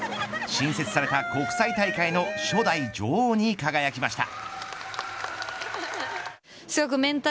新設された国際大会の初代女王に輝きました。